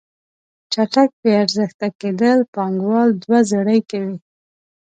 چټک بې ارزښته کیدل پانګوال دوه زړې کوي.